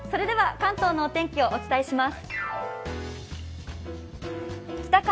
関東のお天気をお伝えします。